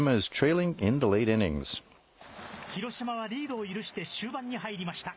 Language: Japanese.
広島はリードを許して終盤に入りました。